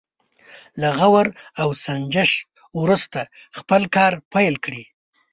له غور او سنجش وروسته خپل کار پيل کړي.